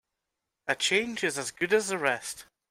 A change is as good as a rest.